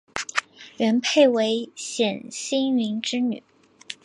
元配为冼兴云之女。